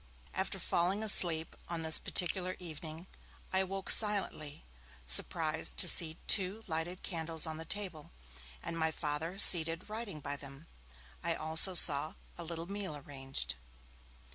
After falling asleep on this particular evening, I awoke silently, surprised to see two lighted candles on the table, and my Father seated writing by them. I also saw a little meal arranged.